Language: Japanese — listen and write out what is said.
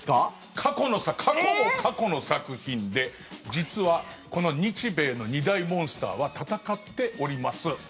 過去の過去の作品で実はこの日米の２大モンスターは戦っております。